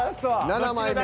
７枚目。